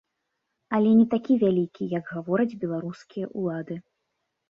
Але не такі вялікі, як гавораць беларускія ўлады.